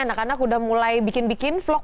anak anak udah mulai bikin bikin vlog